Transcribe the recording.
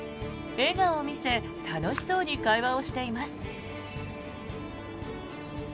笑顔を見せ楽しそうに会話をしています。